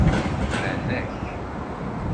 Bran-ak.